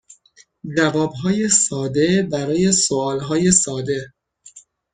جوابهای ساده برای سوالهای ساده